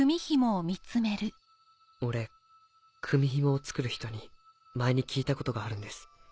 俺組紐を作る人に前に聞いたことがあるんです。